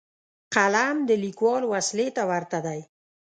قلم د لیکوال وسلې ته ورته دی